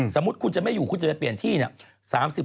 สมมุติคุณจะไม่อยู่คุณจะไปเปลี่ยนที่เนี่ย